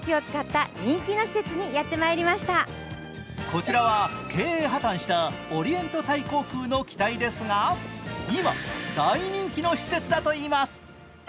こちらは経営破たんしたオリエント・タイ航空の機体ですが今、大人気の施設だといいます。